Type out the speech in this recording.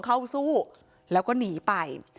เข้าสู้แล้วก็หนีไป